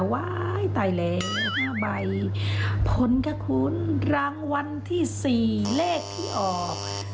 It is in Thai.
ว้ายตายแล้ว๕ใบพลคคุณรางวัลที่๔เลขที่ออก